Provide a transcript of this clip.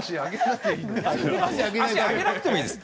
足上げなくてもいいです。